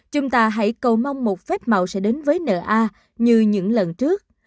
chúng ta hãy cầu mong một phép màu sẽ đến với nợ a như những lần trước